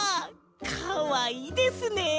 かわいいですねえ。